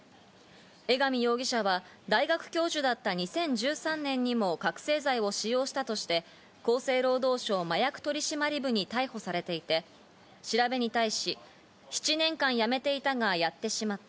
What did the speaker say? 江上容疑者は、大学教授だった２０１３年にも覚醒剤を使用したとして、厚生労働省・麻薬取締部に逮捕されていて、調べに対し、７年間やめていたがやってしまった。